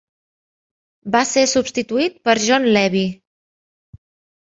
Va ser substituït per John Levy.